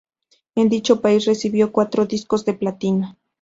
En dicho país recibió cuatro discos de platino.